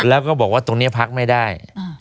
แล้วก็บอกว่าตรงนี้พักไม่ได้